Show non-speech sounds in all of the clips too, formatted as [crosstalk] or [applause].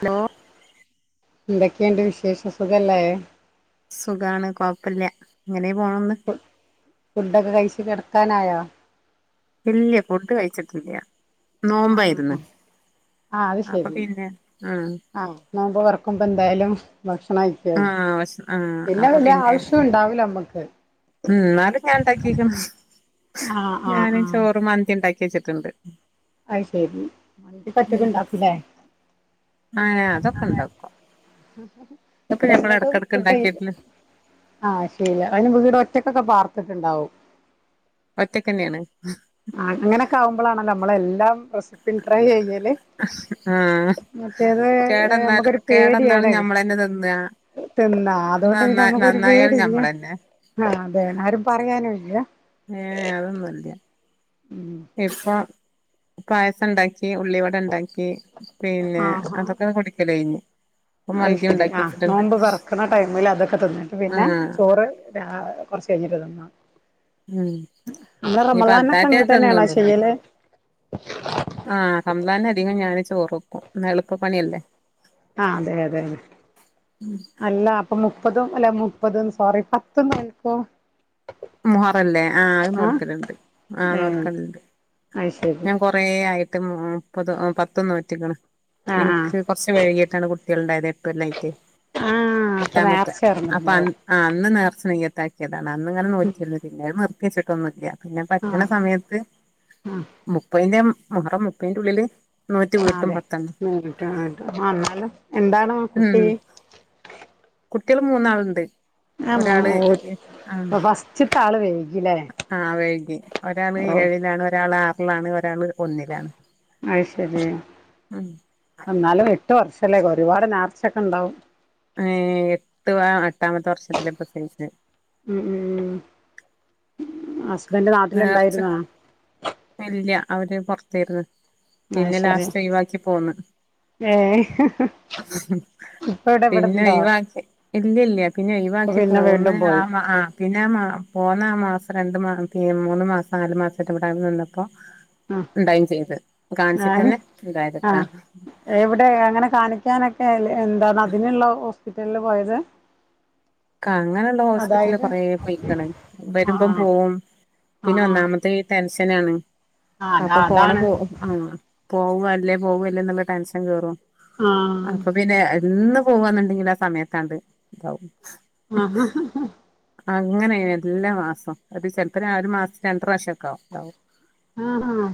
Hello ന്തൊക്കെയ്ണ്ട് വിശേഷ സുഖല്ലേ സുഖാണ് കൊഴപ്പല്ല ങ്ങനെ പോണംന്ന് ഫുഡൊക്കെ കഴിച്ച് കെട്ക്കാനായോ ഇല്ല ഫുഡ് കഴിച്ചിട്ടില്ല നോമ്പായിര്ന്ന് ആഹ് അത് അപ്പൊ ശരി പിന്നെ ആഹ് ആഹ് നോമ്പ് തൊറക്കുമ്പന്തായാലും ഭക്ഷണം കഴിക്കാലോ ആ ഭക്ഷ ആ പിന്നെ അപ്പൊ അതിൻ്റെ ആവശ്യം ഇണ്ടാവൂല്ലാ നമ്മക്ക് ഉം ഇന്നാലും ഞാൻ ഇണ്ടാക്കിക്ക്ണ് ആഹ് ആഹ് ഞാന് ആഹ് ചോറ് മന്തി ഇണ്ടാക്കി വെച്ചിട്ടുണ്ട് അയ്ശെരി മന്തിയൊക്കൊ ഒറ്റക്ക് ഇണ്ടാക്കുല്ലേ? ഏഹ് അതൊക്കെ ഇണ്ടാക്കും ഇതൊക്കെ എല്ലതും ഞമ്മളെട്ക്കെട്ക്ക് ഫുഡ് ഇണ്ടാക്കിയോക്കല് ആഹ് ശെരിയ അയിന് വീടൊറ്റക്കൊക്കെ പാർത്തിട്ട്ണ്ടാവും ഒറ്റക്കന്നെയാണ് ആഹ് അങ്ങനൊക്കാവുമ്പളാണല്ലോ നമ്മളെല്ലാം റെസിപ്പി ട്രൈ ചെയ്യല് ആഹ് മറ്റേത് കേടെന്നാലും നമുക്കൊരു കേടെന്നാലും പേടിയാണ് ഞമ്മളന്നെ തിന്നാ തിന്നാ അതോണ്ട് നന്നാ പിന്നമ്മക്കൊരു നന്നായാലും പേടില്ലാ ഞമ്മളന്നെ ആഹ് അതേ ആരും പറയാനൂല്ലാ ഏഹ് അതൊന്നുല്ല്യാ ഇപ്പം പായസണ്ടാക്കി ഉള്ളിവടണ്ടാക്കി പിന്നെ അതൊക്കെ കുടിക്കലയിഞ്ഞ് അയ്ശെരി ആഹ് നോമ്പ് തൊറക്ക്ണ ടൈമിലതൊക്കെ തിന്നട്ട് പിന്നെ ആഹ് ചോറ് രാ ഏഹ് കൊർച്ചയ്ഞ്ഞിട്ട് തിന്നാ ഉം [unintelligible] ഇനിയിപ്പ റമളാനിലൊക്കെ അത്താഴത്തെ ഇങ്ങൻത്തെന്നാണോ തിന്നൊന്നുല്ല ചെയ്യല് ആഹ് റംളാൻലധികോം ഞാൻ ചോറ് വെക്കും ഇന്നാ എളുപ്പപ്പണിയല്ലേ ആഹ് അതെയതെയതെ അല്ലാ അപ്പൊ മുപ്പതും അല്ല മുപ്പത് ന്ന് സോറി പത്തും നോൽക്കോ? മുഹറല്ലേ ആഹ് അത് നോൽക്കലിണ്ട് ആഹ് ഏഹ് നോൽക്കലിണ്ട് അത് ശരി ഞാൻ കൊർ കൊറേ ആയിട്ട് മു മുപ്പ‌തും പത്തും നോറ്റിക്ക്ണ് ആഹ് ആഹ് ഇനിക്ക് കൊർച്ച് വെഴ്കിട്ടാണ് കുട്ട്യാള്ണ്ടായത് എട്ട് കൊല്ലായിറ്റെ ആഹ് അപ്പൊ എട്ടാമത്തേ നേർച്ച അപ്പ അന്ന് നടന്നിട്ടുണ്ടാവും ആഹ് അന്ന് നേർച്ച നീയ്യത്താക്കിയതാണ് അന്ന് ഇങ്ങനെ നോറ്റിരുന്നു പിന്നെ അത് നിർത്തിയെച്ചിട്ടൊന്നുല്ലാ പിന്നെ പറ്റ്ണ ആഹ് സമയത്ത് ആഹ് മുപ്പെയ്ൻ്റെ മുഹറം മുപ്പയിന്റുള്ളില് ആഹ് അതെ നോറ്റിട്ട് ആഹ് ഇന്നാലും എന്താണ് കുട്ടി? കുട്ട്യേള് മൂന്നാള്ണ്ട് ഒരാള് എ ആഹ് സ്റ്റ്ത്താള് വെയ്കില്ലേ ആഹ് വെഴ്കി ഒരാള് ഏഴിലാണ് ഒരാളാറിലാണ് ഒരാള് ഒന്നിലാണ് അയ്ശെരി ആഹ് ഉം ഇന്നാലും എട്ട് വർഷല്ലേ ഒരുപാട് നേർച്ചൊക്കെണ്ടാവും ഏഹ് എട്ട് വ ആഹ് എട്ടാമത്തെ വർഷത്തിലാ പ്രസവിച്ചെ ഉം ഉം ഹസ്ബന്റ് നാട്ടിലിണ്ടായിര്ന്നോ ഇല്ലാ അവര് പൊർത്തേര്ന്ന് പിന്നെ ലാസ്റ്റൊയിവാക്കി പോന്ന് ഏഹ് പിന്നൊ ഒയിവാക്കി ഇല്ലല്ലാ പിന്നെ ഇപ്പ ഒയിവാക്കി പിന്നെ പോന്ന് വീണ്ടും പോയി ആഹ് ആഹ് പിന്നാ മാ പോന്നാ ആ മാസം രണ്ട് മാസ പി മൂന്ന് മാസം നാലു മാസെറ്റെ ഇവിടാണ്ട് നിന്നപ്പോ ആ ഇണ്ടായിം ചെയ്ത് ആര് കാണിച്ചിട്ടെന്നെ ആ ഇണ്ടായത്ട്ടാ എവിടെ അങ്ങനെ കാണിക്കാനൊക്കെ എൽ എന്താണതിനുള്ള ഹോസ്പ്പിറ്റലിലാ പോയത് ക്കങ്ങനെള്ള ഹോസ്പ്പിറ്റലില് അതായത് കൊറെ പോയ്ക്ക്ണ് ആ വെരുമ്പം ആ പോവും പിന്നെ ആ ഒന്നാമതീ ടെൻഷനാണ് ആ അതാ അപ്പൊ പോണ അതാണ് പോ ആഹ് പോവല്ലേ പോവല്ലേന്നുള്ള ടെൻഷൻ കേറും ആ അപ്പൊ പിന്നെ എന്നും പോവന്ന്ണ്ടെങ്കില് ആ സമയത്താണ്ട് ഇതാവും അങ്ങനെ എല്ലാ മാസോം അത് ചെലപ്പോ ആ ഒരു മാസത്തി രണ്ട് പ്രാവശ്യക്കാവും ആ ആ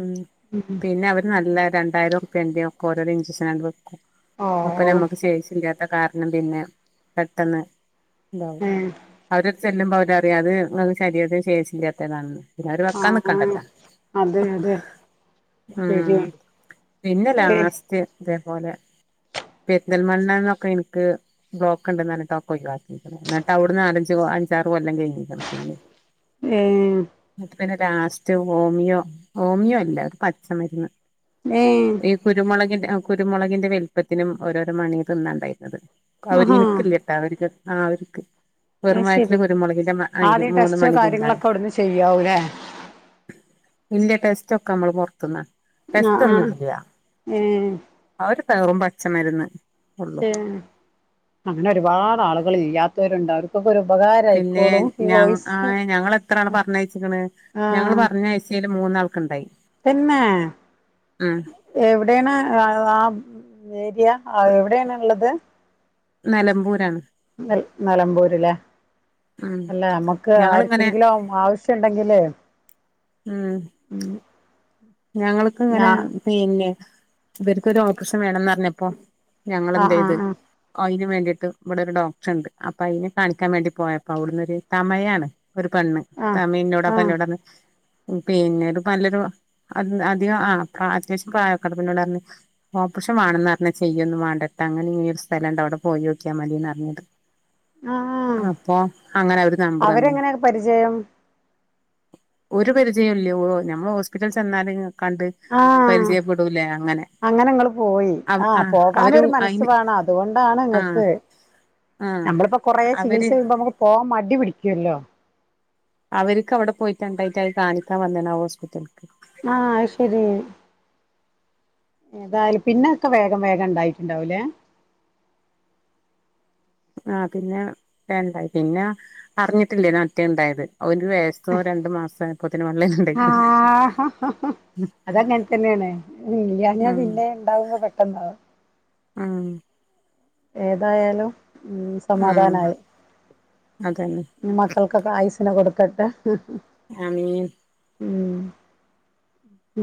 ഉം ഉം പിന്നെ അവര് നല്ല രണ്ടായിരൊർ [unintelligible] ഒക്കെ ഓരോരോ ഇഞ്ചക്ഷനാട്ട് വെക്കും ഓ അപ്പൊ നമ്മക്ക് [unintelligible] കാരണം പിന്നെ പെട്ടെന്ന് ഇണ്ടാവും ഏ അവരെട് ചെല്ല്മ്പൊ അവര് പറയും അത് ഇങ്ങക്ക് ശരീരത്തിന് ശേഷില്ലാത്തതാണെന്ന് പിന്നോര് വെക്കാൻ ആഹ് നിക്കണ്ടല്ലാ അതെ അതെ ഉം ശരിയാണ് പിന്നെ ഏ ലാസ്റ്റ് ഇതേപോലെ പെര്ന്തൽമണ്ണേയ്ന്നൊക്കെ ഇൻക്ക് ബ്ലോക്ക് ഇണ്ട്ന്ന് പറഞ്ഞിട്ട് അതൊക്കെ ഒഴിവാക്കി ക്കിക്ക്ണ് ഇന്നട്ട് അവ്ട്ന്ന് നാലഞ്ച് അഞ്ചാറ് കൊല്ലം കഴിഞ്ഞ്ക്ക്ണ് പിന്നെ ന്നെഹ് ന്നട്ട് പിന്നെ ലാസ്റ്റ് ഹോമിയോ ഹോമിയോ അല്ല ഒര് പച്ചമെര്ന്ന് ന്നെയ് ഈ കുരുമൊളകിന്റെ അഹ് കുരുമൊളകിന്റെ വെൽപ്പത്തിലും ഓരോരോ മണിയാ തിന്നാണ്ടായിരുന്നത് ഒക്കെ അവര് ആഹാ ഇൻ കെട്ട് അവര് കെട്ട്ണ അവര്ക്ക് അത് വെറും വയറ്റില് ശരി കുരുമുളകിന്റെ മായ്രി ആദ്യം മൂന്ന് ടെസ്റ്റോ മണി തിന്നാന് കാര്യങ്ങളൊക്കെ അവിടുന്ന് ചെയ്യാവൂല്ലേ ഇല്ല ടെസ്റ്റൊക്കെ അമ്മള് പൊർത്ത്ന്നാണ് ടെസ്റ്റ് ആഹ് ആഹ് ഒന്നുംല്ല്യ ഏ ആ ഒര് വെറും പച്ചമരുന്ന് ഉള്ളു [unintelligible] അങ്ങനെ ഒരുപാട് ആളുകള് ഇല്ല്യാ രുണ്ട് അവർക്കൊക്കെ ഒരു പിന്നെ ഉപകാരയിക്കോളും ഈ ഞ വോയിസ് ആ ഞങ്ങള് എത്ര ആഹ് ആഹ് ആഹ് ചേയ്ല് മൂന്നാൾക്ക് ഇണ്ടായി തെന്നേ എവ്ടേണ് ആ ആ ഏരിയ അഹ് എവ്ടേണ്ള്ളത് നെലമ്പൂരാണ് നെൽ നെലമ്പൂര്ല്ലെ ഉം അല്ല ഞമ്മുക്ക് ഞങ്ങളിങ്ങനെ ആര്ക്കെങ്കിലും ആവു ആവശ്യണ്ടെങ്കില് ഉം ഉം ഞങ്ങൾക്ക് ഇങ്ങനെ പിന്നെ ഇവര്ക്കൊരു ഓപ്രശം വേണംന്ന് പറഞ്ഞപ്പൊ ആഹ് ഞങ്ങളെന്തെയ്ത് ആഹ് അയിന് വേണ്ടിയിട്ട് ഇവിടെ ഒരു ഡോക്ടർ ഇണ്ട് അപ്പ അയിനെ കാണിക്കാൻ വേണ്ടി പോയപ്പൊ അവ്ട്ന്നൊര് തമഴാണ് ഒരു പെണ്ണ് ആഹ് തമിഴ് ഇന്നോട് അപ്പ ആഹ് ഇന്നോട് പർഞ്ഞ് ഉം പിന്നീട് പ്പൊ നല്ലൊരു അത് ന്ന് അതിന് ആഹ് അത്യാവശ്യം പ്രായൊക്കെണ്ട് അപ്പന്നോട് പർഞ്ഞ് ഓപ്പറേഷൻ വാണം ന്ന് പർഞ്ഞ് ചെയ്യൊന്നും വാണ്ടട്ടാ അങ്ങനെ ഇങ്ങനി ഒരു സ്ഥലണ്ട് അവ്ടെ പോയോക്കിയാ മതിന്ന് പർഞ്ഞ് ഇത് ആഹ് അങ്ങനെ അവര് നമ്പർ തന്ന് അവരെങ്ങനെ ഇങ്ങക്ക് പരിചയം ഒരു പരിചയൊല്ല്യാ ഓ ഞമ്മള് ഹോസ്പിറ്റൽല് ചെന്നാല് കണ്ട് ആഹ് പരിചയപ്പെടൂലേ അങ്ങനെ അങ്ങനെ ഇങ്ങള്പോയി അവ ആഹ് പോകനു അവര് ഒരു മനസ്സ് അയിന് വേണം അതുകൊണ്ടാണ് ആഹ് ഇങ്ങക്ക് ആഹ് നമ്മളിപ്പോ കൊറേ ചികിത്സ അവര് ചെയ്യുമ്പോ നമ്മക്ക് പോവാൻ മടി പിടിക്കൊല്ലോ അവര്ക്ക് അവടെ പോയിട്ട് എന്തായിറ്റാ അത് കാണിക്കാൻ വന്നാണ് ആ ഹോസ്പിറ്റൽക്ക് ആഹ് അയ്ശരി ഏതായാലും പിന്നെ ഒക്കെ വേഗം വേഗം ഇണ്ടായിറ്റ് ഇണ്ടാവുംല്ലേ ആഹ് പിന്നെ വേം ഇണ്ടായി പിന്നെ അറിഞ്ഞിട്ടില്ലേയ്ന്ന് അഹ് മറ്റേ ഇണ്ടായത് ഒര് വയസ്സ് സ്സോ രണ്ട് മാസോ ആയപ്പോത്തി ത്തിന് പള്ളേല് ഇണ്ടാ ആഹ് അതങ്ങൻതന്നേണ് ഇല്ല്യാഞ്ഞാ ഉം പിന്നെ ഇണ്ടാവുമ്പൊ പെട്ടെന്നാവും ആഹ് ഏതായാലും ഉം ഉം സമാധാനായി അതന്നെ മക്കൾക്കൊക്കെ ആയുസിനു കൊടുക്കട്ടെ ആമീൻ ഉം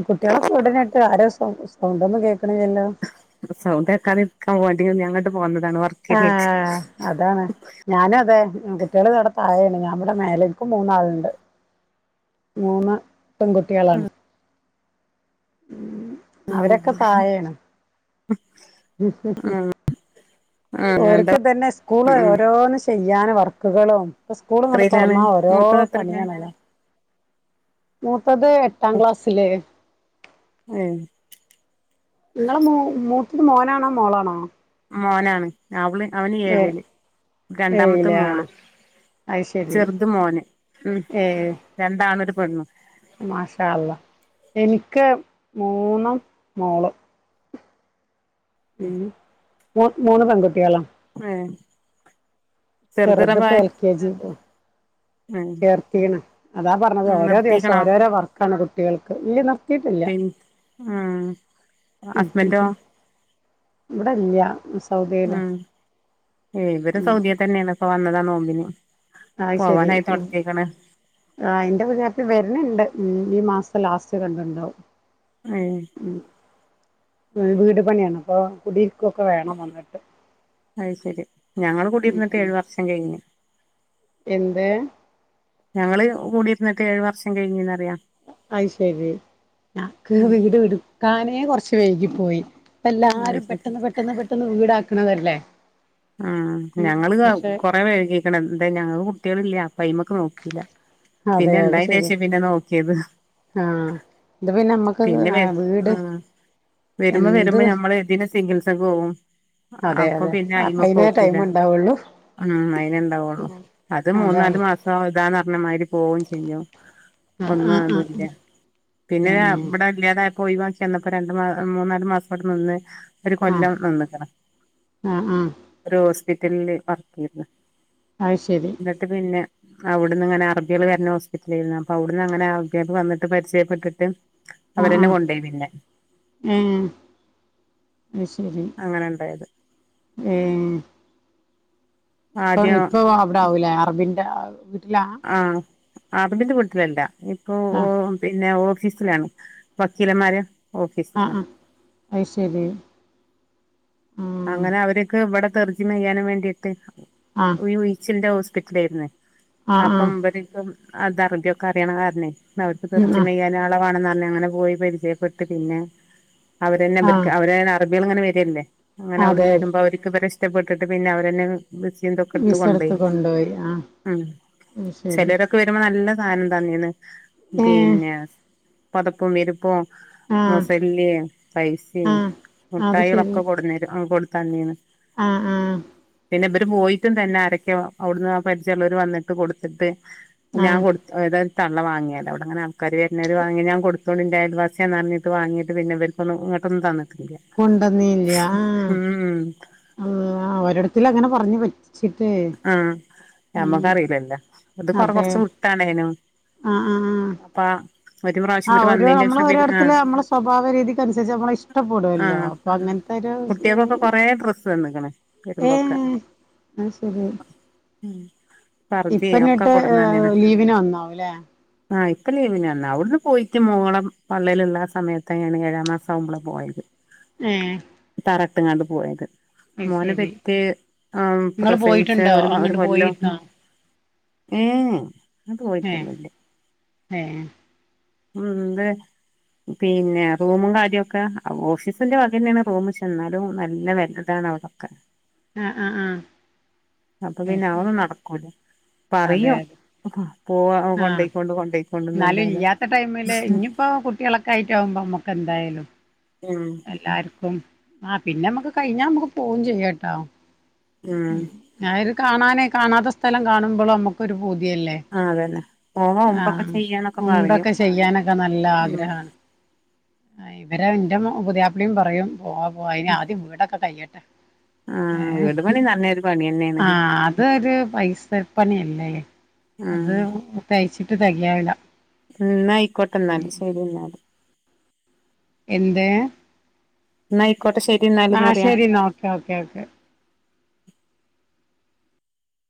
കുട്ടികളൊക്കെ വീട്ടിലുണ്ടോ ആരേം സൗ സൗണ്ട് ഒന്നും കേൾക്കണില്ലല്ലോ സൗണ്ട് കേക്കാതിരിക്കാൻ വേണ്ടി ഞാനിങ്ങോട്ട് പോന്നതാണിപ്പം ആഹ് അതാണ് ഞാനുവതേ, കുട്ടികൾ അവ്ടെ താഴയാണ് ഞാൻ ഇവിടെ മേലേ. ഇൻക്ക് മൂന്നാളുണ്ട് മൂന്ന് പെൺകുട്ടികളാണ് അവരൊക്കെ [unintelligible] ഉം ഉം ഉം ആഹ് എന്താ ഓര്ക്ക് തന്നെ സ്കൂള് ഉം ഓരോ ചെയ്യാൻ വർക്കുകളും ഈ സ്കൂളങ്ങോട്ട് എത്രയിലാണ് തുറന്നാ ഓരോ മൂത്തത് എത്രയിലാ പണിയാണല്ലോ മൂത്തത് എട്ടാം ക്ലാസ്സില് ഏഹ് ഇങ്ങളെ മൂ മൂത്തത് മോനാണോ മോളാണോ? ആഹ് മോനാണ് അവള് അവന് ഏഹ് ഏഴില് രണ്ടാമത്തെ ഏഴില് ആഹ് മോള്, അത് ശരി ചെർത് മോന് ഉം ഏഹ് രണ്ടാണും ഒരു പെണ്ണും മാഷാ അള്ള എനിക്ക് മൂന്നും മോള് ഉം മൂ മൂന്ന് പെൺകുട്ടികളാ ആഹ് ചെറുതിപ്പൊ എൽ കെ ജീല് ഏഹ് ചേർത്തീക്കണ്. അതാ പറഞ്ഞത് ഓരോ ദിവസം നിർത്തിക്കണോ ഓരോരോ വർക്കാണ് കുട്ടികൾക്ക്. ഈ റിൻ ആഹ് ഹസ്ബൻ്റ് ഇവിടെയില്ല ആഹ് ഇവര് ഉം സൗദിയേ തന്നെയാണ്. ഇപ്പോ വന്നതാ നോമ്പിന് അത് ശരി പോവാനായിട്ടടുത്തേക്കണ്. ആഹ് ഇന്റെ പുതിയാപ്പി വരണണ്ട്. ഈ മാസം ലാസ്റ്റ് വരണ്ടുണ്ടാവും ഏഹ് ഉം വീട് പണിയാണ് ഇപ്പൊ. കുടിയിരിക്കൊക്കെ വേണം വന്നിട്ട്. അത് ശരി. ഞങ്ങള് കുടിയിരുന്നിട്ട് ഏഴു വർഷം കഴിഞ്ഞ്. എന്ത്? ഞങ്ങള് കുടിയിരിന്നിട്ട് ഏഴ് വർഷം കഴിഞ്ഞ്ന്ന് പറയാ. അയ്ശരി. ഞങ്ങക്ക് ഉം വീട് വിടുക്കാനേ കൊറച്ച് വൈകിപ്പോയി. ഇപ്പ അത് എല്ലാരും ശരി പെട്ടെന്ന് പെട്ടെന്ന് പെട്ടെന്ന് വീടാക്കണതല്ലേ. ആഹ് ഉം ഞങ്ങള് പക്ഷെ കൊറേ വൈകീയേക്കണ്. എന്തേ ഞങ്ങക്ക് കുട്ടികളില്ല. പൈമക്ക് നോക്കിയില്ല. അതെ പിന്നെ അത് ഉണ്ടായതിന് ശരിയാ ശേഷാ പിന്നെ നോക്കിയത്. ആഹ്. ഇത് പിന്നെ നമ്മക്കൊക്കെ പിന്നെ വെ ആഹ് വീട് ആഹ് വരുമ്പോ എന്ത് വരുമ്പോ ഞമ്മള് ഇതിൻറെ ചികിത്സക്ക് പോകും. അതെ അപ്പൊ അതെ പിന്നെ അപ്പ അയ്മ അയിനേ ടൈം പോക്കൂല്ല. ഉണ്ടാവുള്ളൂ അയിനേ ഉണ്ടാവുള്ളൂ. അത് അതാണ് മൂന്നാല് മാ സം ദാ എന്ന് പറഞ്ഞ മാതിരി പോവുകേം ചെയ്യും. ആഹ് ഒന്നും ആഹ് ആഹ് ആവതുവില്ല. പിന്നെ ദാ ഏഹ് ഇവടെ ഇല്ലാതായിപ്പോയി വാങ്ങ് ചെന്നപ്പോ രണ്ടു മാ മൂന്നാല് മാസവവ്‌ടെ നിന്ന് ഒരു ആഹ് കൊല്ലം നിന്നിക്കണ്. ആഹ് ആഹ് ഒരു ഹോസ്പിറ്റലില് വർക്ക് ചെയ്തത്. അയ് ശരി എന്നിട്ട് പിന്നെ അവിടന്ന്ങ്ങനെ അറബികൾ വരണ ഹോസ്പിറ്റലായിരുന്നു അപ്പൊ അവിടന്ന് അങ്ങനെ അറബികള് വന്നിട്ട് പരിചയപ്പെട്ടിട്ട് ആഹ് അവരെന്നെ ആഹ് കൊണ്ടോയി പിന്നെ അഹ് ശരി അങ്ങനെ ഇണ്ടായത് ഏഹ് ഇപ്പ ആദ്യം ഇപ്പൊ അവിടെ ആവൂലേ അറബിന്റെ വീട്ടിലാ ആഹ് അറബിന്റെ വീട്ടിലല്ല ഇപ്പൊ ഓ ആഹ് പിന്നെ ഓഫീസിലാണ് വക്കീലന്മാരെ ആഹ് ഓഫീസിലാണ് ആഹ് അയ് ശെരി അങ്ങനെ അവരിക്ക് ഇവിടെ തെർജിമ ചെയ്യാനും വേണ്ടിയിട്ട് ആഹ് ഈ ഉഴിച്ചിളിന്റെ ഹോസ്പിറ്റലായിരുന്ന് ആഹ് അപ്പം ആഹ് ഇവരിപ്പം അത് അറബി ഒക്കെ അറിയണ കാരണേ അവർക്ക് ഉം തർജിമ ആഹ് ചെയ്യാൻ ആളെ വാണെന്ന് പറഞ് അങ്ങനെ പോയി പരിചയപ്പെട്ട് പിന്നെ അവരന്നെ ആഹ് ഇവർക്ക് അവരെ അറബികളിങ്ങനെ വരല്ലേ അങ്ങനെ അവിടുന്ന് അതെ അതെ വരുമ്പോ അവരിക്ക് ഇവരെ ഇഷ് ട്ടപ്പെട്ടിട്ട് പിന്നെ അവരന്നെ വിസയും ഇതൊക്കെടുത്ത് വിസെടുത്ത് കൊണ്ടോയി കൊണ്ടുപോയി ആഹ് ഉം അത് ശരി ചിലരൊക്കെ വരുമ്പോ നല്ല സാധനം തന്നീണ് ഏഹ് പിന്നെ പൊതപ്പും വിരുപ്പും ആഹ് മുസല്ലേ പൈസിം ആഹ് അത് ശരി മുഠായികളൊക്കെ കൊടുന്നരും ആഹ് കൊണ്ടു തന്നീന്ന് ആഹ് ആഹ് പിന്നെ ഇബരും പോയിട്ടും തന്നെ ആരൊക്കെ അവിടുന്ന് പരിചയള്ളവര് വന്നിട്ട് കൊടുത്തിട്ട് ഞാൻ ആഹ് കൊടുത്തു ഏതായാലും തള്ള വാങ്ങിയതാ അവിടെ അങ്ങനെ ആൾക്കാര് വരുന്നവര് വാങ്ങി ഞാൻ കൊടു [unintelligible] ന്റെ അയൽവാസിയാന്ന് പറഞ്ഞിട്ട് വാങ്ങിട്ട് പിന്നെ ഇവരിക്കൊന്നും ഇങ്ങട്ടൊന്നും തന്നിട്ടില്ല കൊണ്ടന്നില്ല ഉം ആഹ് ആഹ് ഒരിടത്തിൽ അങ്ങനെ പറഞ്ഞു പറ്റി ച്ചിട്ടേ ആഹ് നമ്മക്കറിയില്ലല്ലോ അത് കൊറ അതെ കൊറച്ച് വിട്ടാണേനും അപ്പാ അഹ് ഓരോ നമ്മള് ഓരോരുത്തില് നമ്മള സ്വഭാവ രീതിക്കനുസരിച്ച് നമ്മള ഇഷ്ടപ്പെടുവല്ലോ ആഹ് അപ്പൊ അങ്ങനത്തൊരു കുട്ടികൾക്കൊക്കെ കൊറേ ഡ്രസ്സ് തന്ന്ക്ക്ണ് ഉം വരുമ്പോക്കെ ഏഹ് അഹ് ശരി ഉം പർദ്ദിം ഒക്കെ ഇപ്പന്നിട്ട് കൊടുന്നന്നേണ് ലീവിന് വന്നാവൂല്ലേ ആഹ് ഇപ്പം ലീവിന് വന്നാ അവിടുന്ന് പോയിട്ട് മോളെ പള്ളേലുള്ള സമയത്താണ് ഏഴാ മാസം ആവുമ്പള പോയത് ഏഹ് തറട്ട്ങ്ങാണ്ട് പോയത് അത് മോനെ ശരി പെറ്റ് ഉം നിങ്ങള് പ്രസവിച്ച പോയിട്ടുണ്ടോ ഒരു മാ ഒരു അങ്ങട്ട് കൊല്ലം പോയിരുന്നോ ഏഹ് അങ്ങട്ട് ഏഹ് പോയിട്ടൊന്നുല്ല ഏഹ് ഉം എന്താ പിന്നെ റൂമും കാര്യൊക്കെ ഓഫീസിന്റെ വകന്നെയാണ് റൂമി ചെന്നാലും നല്ല [unintelligible] ട്ടാണ് അവർക്കൊക്കെ ആഹ് ആഹ് ആഹ് അപ്പൊ അത് പിന്നെ അഹ് ശരി ഒന്നും നടക്കൂല അതെ പറയാ അതെ ആഹ് എന്നാലും കൊണ്ടോയിക്കോണ്ട്ന്നല്ലാതെ ഇല്ലാത്ത ടൈമില് ഇനിയിപ്പോ കുട്ട്യേളൊക്കെ ആയിട്ടാകുമ്പോ നമ ക്കെന്തായാലും ഉം എല്ലാരിക്കും ആ പിന്നെ നമ്മക്ക് കഴിഞ്ഞാ നമ്മക്ക് പോവും ചെയ്യാട്ടോ ഉം ഞാനൊരു കാണാനെ കാണാത്ത സ്ഥലം കാണുമ്പളും നമ്മക്കൊരു പൂതിയെല്ലേ ആ അതന്നെ പോവുമ്പോ ഒമ്പൊക്കെ ആഹ് ചെയ്യാന്നൊക്കെ പറയും ഉംറക്കെ ചെയ്യാനൊക്കെ നല്ല ഉം ആഗ്രഹാണ് ഇവര് എന്റെ മു പുതിയാപ്ലേം പറയും പോവാ പോവാ അയിന് ആദ്യം ഇവിടൊക്കെ കയ്യട്ടെ ആ ഏഹ് വീട് പണി നല്ലൊരു പണി തന്നെയാണ് ആഹ് അതൊരു പൈസപണിയല്ലേ അത് ഉം തയ്ച്ചിട്ട് തെകയാവില്ല ഉം എന്നായിക്കോട്ടെ എന്നാല് ശരിന്നാല് എന്തേ ന്നായിക്കോട്ടെ ആഹ് ശെരിന്നാല്ന്നറിയാ ശരി എന്നാ ഓക്കെ ഓക്കെ